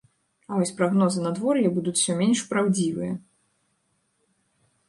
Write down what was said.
А вось прагнозы надвор'я будуць усё менш праўдзівыя.